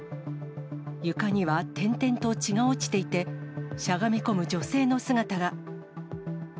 床には点々と血が落ちていて、しゃがみ込む女性の姿が。